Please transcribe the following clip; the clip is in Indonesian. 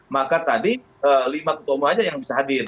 maka tadi lima ketua umum aja yang bisa hadir